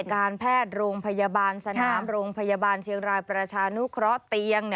การแพทย์โรงพยาบาลสนามโรงพยาบาลเชียงรายประชานุเคราะห์เตียง